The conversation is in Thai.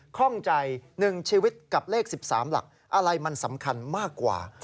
ข้องใจ๑ชีวิตกับเลข๑๓หลักอะไรมันสำคัญมากกว่า